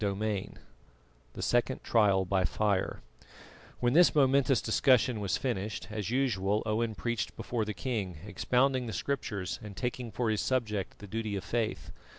CHAPTER X THE SECOND TRIAL BY FIRE When this momentous discussion was finished, as usual Owen preached before the king, expounding the Scriptures and taking for his subject the duty of faith.